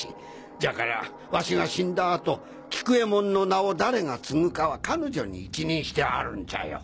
じゃからワシが死んだ後「菊右衛門」の名を誰が継ぐかは彼女に一任してあるんじゃよ。